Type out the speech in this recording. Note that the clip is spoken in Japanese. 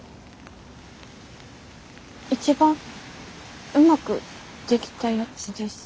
一番うまくできたやつです。